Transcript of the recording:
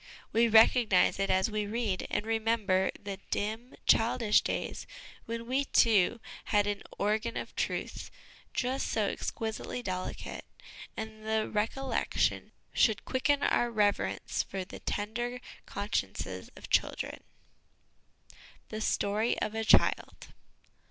We recognise it as we read, and remember the dim, childish days when we, too, had an ' organ of truth ' just so exquisitely delicate ; and the recollection should quicken our reverence for the tender consciences of children. "The Story of a Child."